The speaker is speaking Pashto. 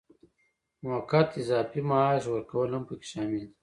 موقت اضافي معاش ورکول هم پکې شامل دي.